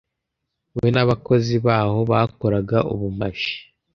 We n'abakozi baho bakoraga ubumaji